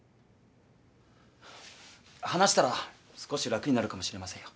話したら少し楽になるかもしれませんよ。